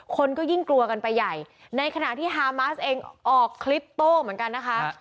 คนก็ยิ่งกลัวกันไปใหญ่ในขณะที่ฮามาสเองออกคลิปโต้เหมือนกันนะคะ